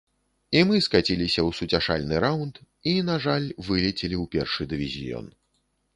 І мы скаціліся ў суцяшальны раўнд і, на жаль, вылецелі ў першы дывізіён.